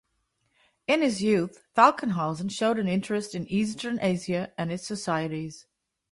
In his youth, Falkenhausen showed an interest in Eastern Asia and its societies.